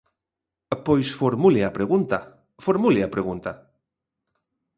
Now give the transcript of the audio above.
Pois formule a pregunta, formule a pregunta.